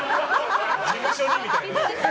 事務所にみたいな。